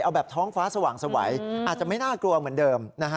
เอาแบบท้องฟ้าสว่างสวัยอาจจะไม่น่ากลัวเหมือนเดิมนะฮะ